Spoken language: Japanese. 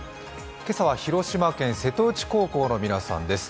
今朝は広島県瀬戸内高校の皆さんです。